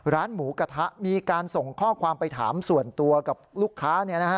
ร้านหมูกระทะมีการส่งข้อความไปถามส่วนตัวกับลูกค้า